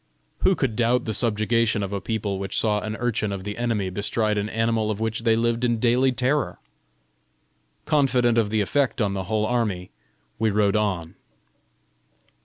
Who could doubt the subjugation of a people which saw an urchin of the enemy bestride an animal of which they lived in daily terror? Confident of the effect on the whole army, we rode on.